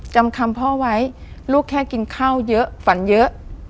จำคำพ่อไว้ลูกแค่กินข้าวเยอะฝันเยอะ